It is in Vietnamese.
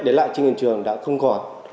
đến lại trên hiện trường đã không còn